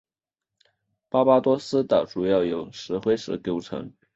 巴巴多斯岛主要由石灰石构成。